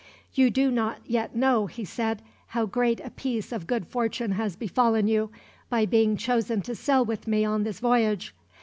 "You do not yet know," he said, "how great a piece of good fortune has befallen you, by being chosen to sail with me on this voyage.